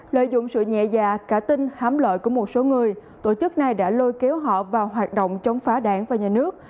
lợi dụng sự nhẹ dạ cả tinh hám lợi của một số người tổ chức này đã lôi kéo họ vào hoạt động chống phá đảng và nhà nước